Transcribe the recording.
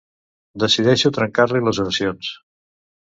Decideixo trencar-li les oracions.